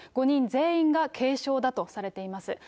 ５人全員が軽症だとされています。